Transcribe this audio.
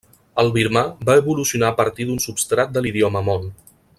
El birmà va evolucionar a partir d'un substrat de l'idioma mon.